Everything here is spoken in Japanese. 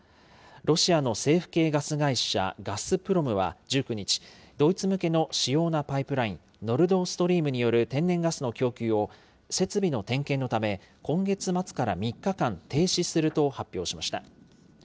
ロシアの政府系ガス会社、ガスプロムは１９日、ドイツ向けの主要なパイプライン、ノルドストリームによる天然ガスの供給を、設備の点検のため、今月末から３日間、停止すると発表しました。